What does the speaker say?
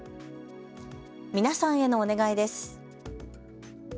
皆さんへのお願いです。